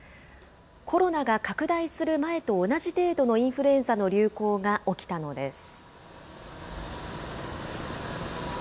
コロナが拡大する前と同じ程度のインフルエンザの流行が起きたのです。